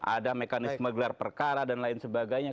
ada mekanisme gelar perkara dan lain sebagainya